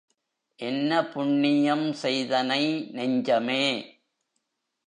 என்ன புண்ணியம் செய்தனை நெஞ்சமே!